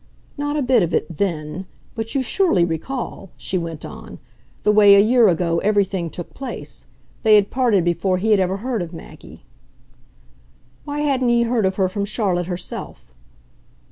"Not a bit of it THEN. But you surely recall," she went on, "the way, a year ago, everything took place. They had parted before he had ever heard of Maggie." "Why hadn't he heard of her from Charlotte herself?"